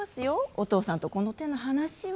お父さんと、この手の話は。